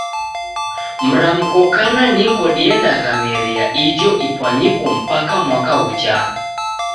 Mramko kana niko diendaghameria ijo ipwanyiko mpaka mwaka ghuchaa.